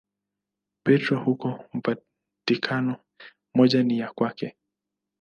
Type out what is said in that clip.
Petro huko Vatikano, moja ni ya kwake.